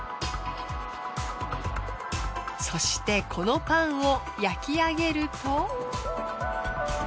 そしてこのパンを焼きあげると。